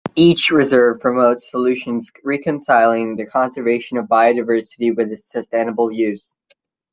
Each reserve promotes solutions reconciling the conservation of biodiversity with its sustainable use.